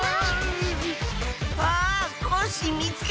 あっコッシーみつけた！